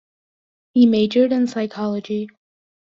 He majored in psychology.